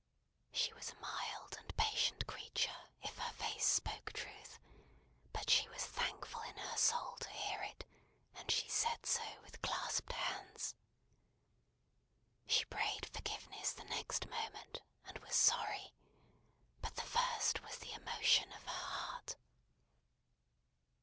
She was a mild and patient creature if her face spoke truth; but she was thankful in her soul to hear it, and she said so, with clasped hands. She prayed forgiveness the next moment, and was sorry; but the first was the emotion of her heart.